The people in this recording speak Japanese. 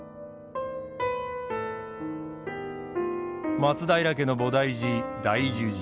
松平家の菩提寺大樹寺。